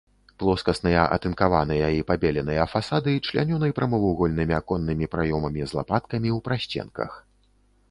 Плоскасныя атынкаваныя і пабеленыя фасады члянёны прамавугольнымі аконнымі праёмамі з лапаткамі ў прасценках.